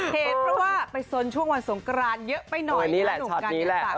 เห็นก็ว่าไปสนช่วงวันสงกรานเยอะไปหน่อยก็หนุ่มกันไว้ไหวนะ